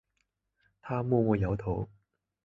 他默默摇头